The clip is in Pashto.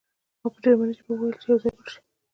ما په جرمني ژبه ورته وویل چې یو ځای پټ شئ